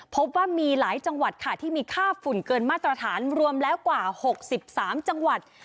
พบว่ามีหลายจังหวัดค่ะที่มีค่าฝุ่นเกินมาตรฐานรวมแล้วกว่า๖๓จังหวัด